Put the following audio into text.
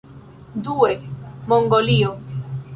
Due, Mongolio.